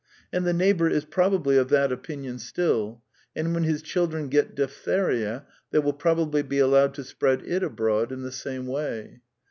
And the neighbour is probably of that opinion THE NEW MYSTICISM 266 still ; and when his children get diphtheria they will prob ably be allowed to spread it abroad in the same way.